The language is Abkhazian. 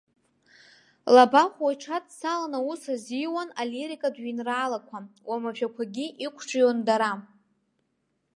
Лабахәуа иҽадцаланы аус азиуан алирикатә жәеинраалақәа, уамашәақәагьы иқәҿион дара.